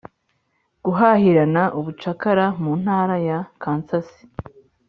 guharanira ubucakara mu ntara ya kansas